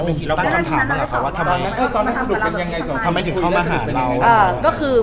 เหมือนนางก็เริ่มรู้แล้วเหมือนนางก็เริ่มรู้แล้ว